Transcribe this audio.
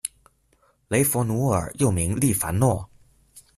雷佛奴尔又名利凡诺。